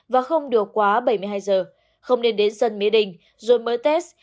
và không đưa quá bảy mươi hai giờ không nên đến dân mỹ đình rồi mới test